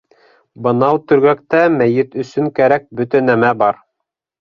- Бынау төргәктә мәйет өсөн кәрәк бөтә нәмә бар.